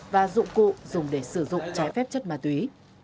và dụng cụ dùng để sử dụng trái phép chất ma túy